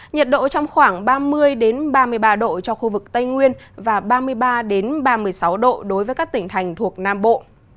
nhiệt độ trong khoảng ba mươi ba mươi ba độ cho khu vực tây nguyên và ba mươi ba ba mươi sáu độ đối với các tỉnh thành thuộc nam bộ